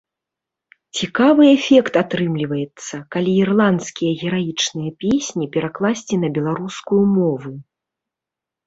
Цікавы эфект атрымліваецца, калі ірландскія гераічныя песні перакласці на беларускую мову.